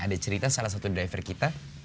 ada cerita salah satu driver kita